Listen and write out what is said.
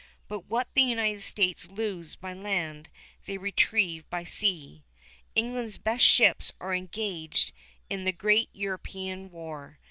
But what the United States lose by land, they retrieve by sea. England's best ships are engaged in the great European war.